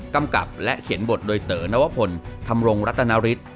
กำกับและเขียนบทโดยเต๋อนวพลธรรมรงรัตนฤทธิ์